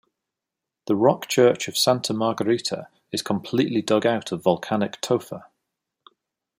The rock church of Santa Margherita is completely dug out of volcanic tofa.